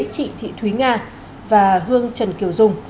trị thị thúy nga và hương trần kiều dung